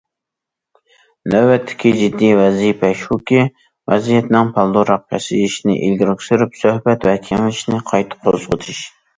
نۆۋەتتىكى جىددىي ۋەزىپە شۇكى، ۋەزىيەتنىڭ بالدۇرراق پەسىيىشىنى ئىلگىرى سۈرۈپ، سۆھبەت ۋە كېڭىشىشنى قايتا قوزغىتىش.